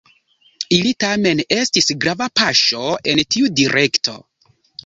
Ili tamen estis grava paŝo en tiu direkto.